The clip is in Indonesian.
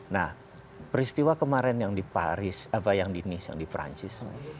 nah peristiwa kemarin yang di paris apa yang di nice yang di perancis